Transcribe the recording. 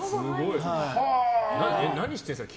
何してんですか？